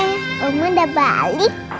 ehh oma udah balik